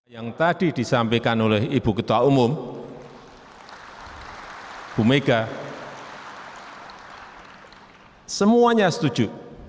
yang tadi disampaikan oleh ibu ketua umum bu mega semuanya setuju